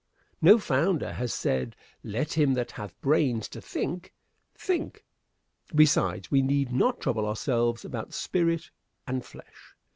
No founder has said: "Let him that hath brains to think, think!" Besides, we need not trouble ourselves about "spirit" and "flesh."